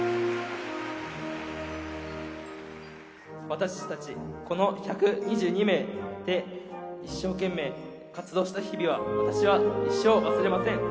私たちこの１２２名で、一生懸命活動した日々は、私は一生忘れません。